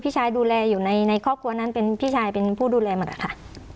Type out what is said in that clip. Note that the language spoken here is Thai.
พี่ชายดูแลอยู่ในครอบครัวนั้นเป็นพี่ชายเป็นผู้ดูแลหมดอะค่ะ